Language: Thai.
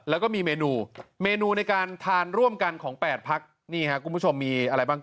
แล้วก็มีเมนูเมนูในการทานร่วมกันของ๘พักนี่ครับคุณผู้ชมมีอะไรบ้าง